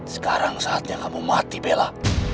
sekarang saatnya kamu mati bela